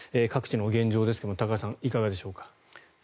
各地の現状ですが高橋さん、いかがでしょうか。